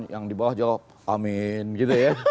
yang di bawah jawab amin gitu ya